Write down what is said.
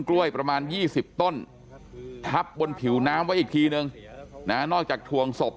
กล้วยประมาณ๒๐ต้นทับบนผิวน้ำไว้อีกทีนึงนะนอกจากถวงศพ